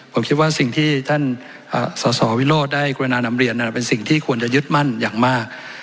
ผมคิดว่าสิ่งที่ท่านสสวิโรธได้กรุณานำเรียนนั้นเป็นสิ่งที่ควรจะยึดมั่นอย่างมาก